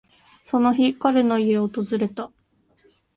その日、彼の家を訪れた。